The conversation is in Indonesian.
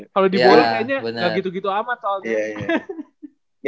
kalo di bola kayaknya gak gitu gitu amat soalnya